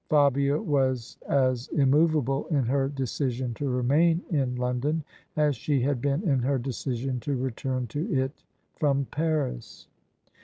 Fabia was as immovable in her decision to remain in London as she had been in her decision to return to it from Paris.